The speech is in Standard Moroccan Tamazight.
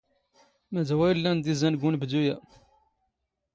ⵎⴰⴷ ⴰⵡⴰ ⵉⵍⵍⴰⵏ ⴷ ⵉⵣⴰⵏ ⴳ ⵓⵏⴱⴷⵓ ⴰ.